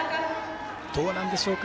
どうなんでしょうか。